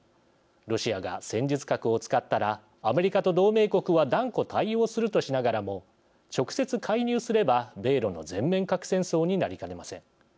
ロシアが戦術核を使ったらアメリカと同盟国は断固対応するとしながらも直接介入すれば米ロの全面核戦争になりかねません。